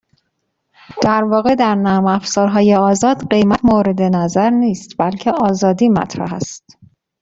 در واقع در نرم افزارهای آزاد قیمت مورد نظر نیست بلکه آزادی مطرح است.